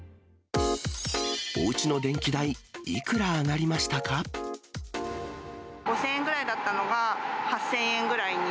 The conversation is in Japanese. おうちの電気代、５０００円ぐらいだったのが、８０００円ぐらいに。